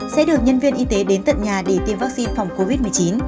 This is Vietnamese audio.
sẽ được nhân viên y tế đến tận nhà để tiêm vaccine phòng covid một mươi chín